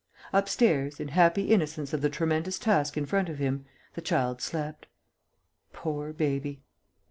Upstairs, in happy innocence of the tremendous task in front of him, the child slept. Poor baby!